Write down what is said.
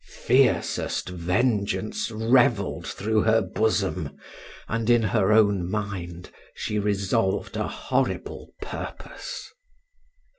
Fiercest vengeance revelled through her bosom, and, in her own mind, she resolved a horrible purpose.